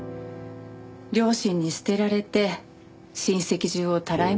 両親に捨てられて親戚中をたらい回し。